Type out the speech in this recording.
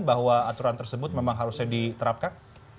bahwa aturan tersebut memang harusnya diterapkan